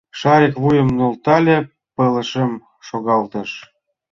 Шарик вуйым нӧлтале, пылышым шогалтыш.